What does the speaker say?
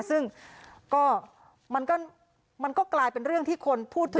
ซึ่งก็มันก็กลายเป็นเรื่องที่คนพูดถึง